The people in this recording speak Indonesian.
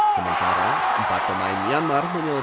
sementara empat pemain myanmar menyelesaikan